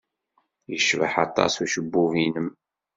Yecbeḥ aṭas ucebbub-nnem.